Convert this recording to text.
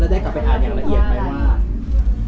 ได้กลับไปอ่านอย่างละเอียดไหมว่า